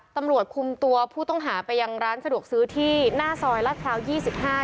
ตำรวจคุมตัวผู้ต้องหาไปยังร้านสะดวกซื้อที่หน้าซอยลาดพร้าว๒๕